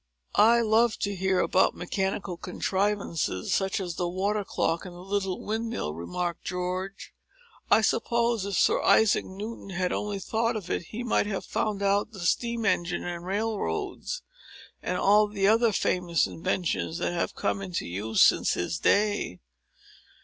"I love to hear about mechanical contrivances—such as the water clock and the little windmill," remarked George. "I suppose if Sir Isaac Newton had only thought of it, he might have found out the steam engine, and railroads, and all the other famous inventions that have come into use since his day."